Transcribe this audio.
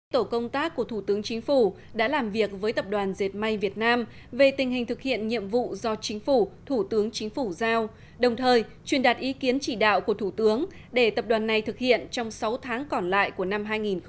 tổ công tác của thủ tướng chính phủ đã làm việc với tập đoàn dệt may việt nam về tình hình thực hiện nhiệm vụ do chính phủ thủ tướng chính phủ giao đồng thời truyền đạt ý kiến chỉ đạo của thủ tướng để tập đoàn này thực hiện trong sáu tháng còn lại của năm hai nghìn hai mươi